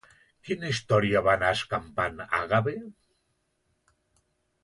Quina història va anar escampant Àgave?